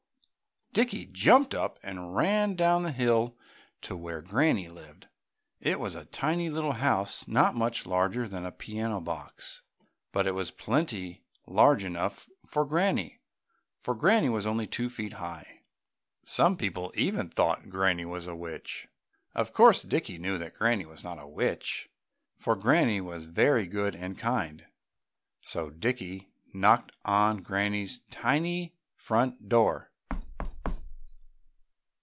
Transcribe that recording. Dickie jumped up and ran down the hill to where Granny lived. It was a tiny little house, not much larger than a piano box, but it was plenty large enough for Granny, for Granny was only two feet high. Some people even thought Granny was a witch. Of course Dickie knew that Granny was not a witch, for Granny was very good and kind. So Dickie knocked at Granny's tiny front door.